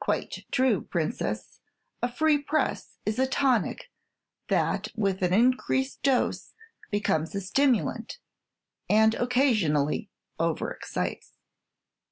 "Quite true, Princess; a free press is a tonic that with an increased dose becomes a stimulant, and occasionally over excites."